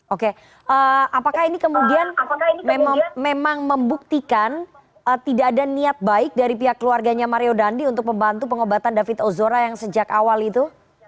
oke apakah ini kemudian memang membuktikan tidak ada niat baik dari pihak keluarganya mario dandi untuk membantu pengobatan david ozora yang sejak awal itu